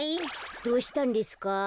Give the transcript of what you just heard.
どうしたんですか？